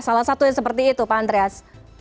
salah satu yang seperti itu pak andreas